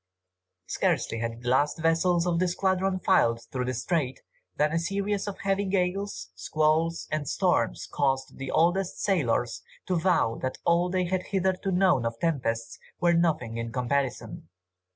Scarcely had the last vessels of the squadron filed through the strait, than a series of heavy gales, squalls, and storms, caused the oldest sailors to vow that all they had hitherto known of tempests were nothing in comparison.